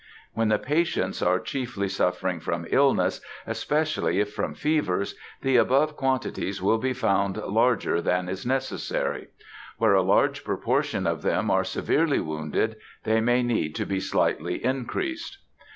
Where the patients are chiefly suffering from illness, especially if from fevers, the above quantities will be found larger than is necessary. Where a large proportion of them are severely wounded, they may need to be slightly increased.